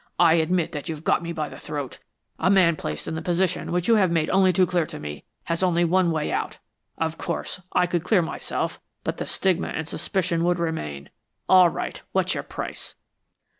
I admit that you've got me by the throat. A man placed in the position which you have made only too clear to me has only one way out. Of course, I could clear myself, but the stigma and suspicion would remain. All right, what's your price?"